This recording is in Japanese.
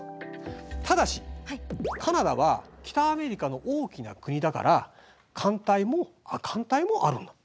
ただしカナダは北アメリカの大きな国だから寒帯も亜寒帯もあるの。